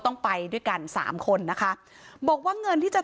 ตำรวจบอกว่าภายในสัปดาห์เนี้ยจะรู้ผลของเครื่องจับเท็จนะคะ